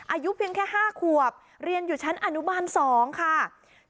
อายุเพียงแค่๕ขวบเรียนอยู่ชั้นอนุบาล๒ค่ะ